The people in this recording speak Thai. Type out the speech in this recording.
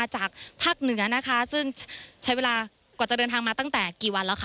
จากภาคเหนือนะคะซึ่งใช้เวลากว่าจะเดินทางมาตั้งแต่กี่วันแล้วค่ะ